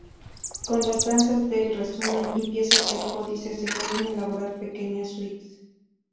Con las danzas del "Resumen" y piezas del "Códice" se pueden elaborar pequeñas suites.